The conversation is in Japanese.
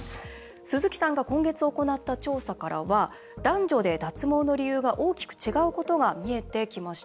鈴木さんが今月行った調査からは男女で脱毛の理由が大きく違うことが見えてきました。